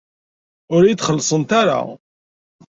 Ur iyi-d-xellṣent ara.